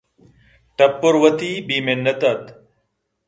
ٹپُّر وتی بے مِنّت اَت